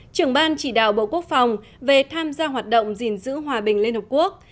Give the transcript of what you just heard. trưởng ban chỉ đạo bộ quốc phòng về tham gia hoạt động gìn giữ hòa bình liên hợp quốc